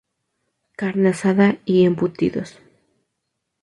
Carne asada y embutidos.